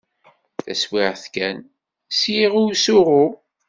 Taswiɛt kan, sliɣ i usuɣu.